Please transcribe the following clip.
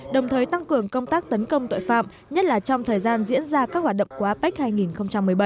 đồng thời tăng cường công tác tấn công tội phạm nhất là trong thời gian diễn ra các hoạt động của apec hai nghìn một mươi bảy